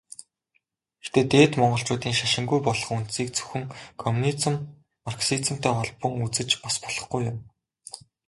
Гэхдээ Дээд Монголчуудын шашингүй болох үндсийг зөвхөн коммунизм, марксизмтай холбон үзэж бас болохгүй юм.